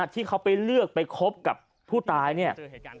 ที่เขาไปเลือกไปคบกับผู้ตายเนี่ย